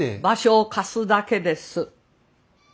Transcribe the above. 場所を貸すだけです。